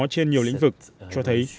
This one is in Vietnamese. trên nhiều lĩnh vực cho thấy